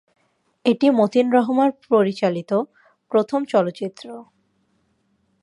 এটি মতিন রহমান পরিচালিত প্রথম চলচ্চিত্র।